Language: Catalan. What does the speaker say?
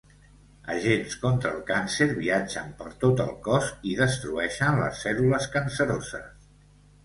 Agents contra el càncer viatgen per tot el cos i destrueixen les cèl·lules canceroses.